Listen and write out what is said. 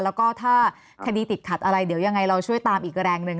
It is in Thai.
แล้วก็ถ้าคดีติดขัดอะไรเดี๋ยวยังไงเราช่วยตามอีกแรงหนึ่ง